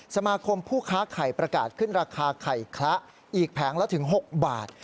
สมาคมผู้ค้าไข่ประกาศขึ้นราคาไข่คละอีกแผงละถึง๖บาท